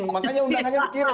makanya undangannya berkira